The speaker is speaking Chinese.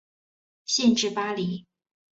县治巴黎。